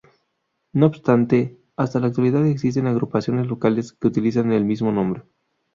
No obstante, hasta la actualidad existen agrupaciones locales que utilizan el mismo nombre.